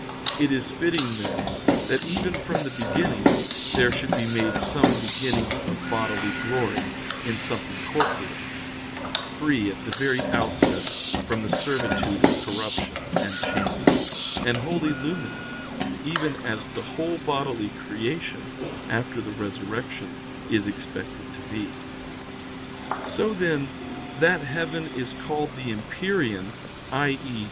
It was fitting, then, that even from the beginning, there should be made some beginning of bodily glory in something corporeal, free at the very outset from the servitude of corruption and change, and wholly luminous, even as the whole bodily creation, after the Resurrection, is expected to be. So, then, that heaven is called the empyrean, i.e.